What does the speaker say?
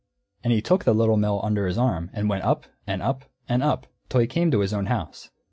And he took the Little Mill under his arm, and went up, and up, and up, till he came to his own house.